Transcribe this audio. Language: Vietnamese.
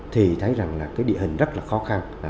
thì thấy rằng là cái địa hình rất là khó khăn